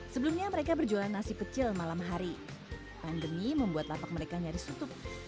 sebelumnya mereka berjualan nasi kecil malam hari pandemi membuat lapak mereka nyaris tutup